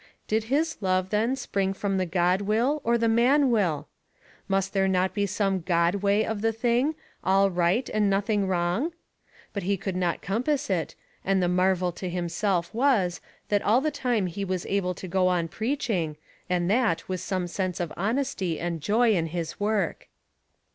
Did his love then spring from the God will or the man will? Must there not be some God way of the thing, all right and nothing wrong? But he could not compass it, and the marvel to himself was that all the time he was able to go on preaching, and that with some sense of honesty and joy in his work.